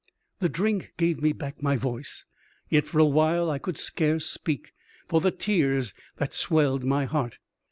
The drink gave me back my voice ; yet for a while I could scarce speak, for the tears that swelled my heart.